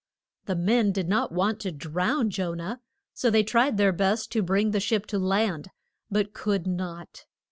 The men did not want to drown Jo nah, so they tried their best to bring the ship to land, but could not.